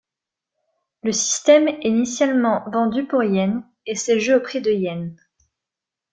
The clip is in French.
Le système est initialement vendu pour yens, et ses jeux au prix de yens.